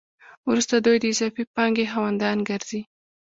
وروسته دوی د اضافي پانګې خاوندان ګرځي